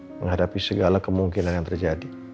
untuk menghadapi segala kemungkinan yang terjadi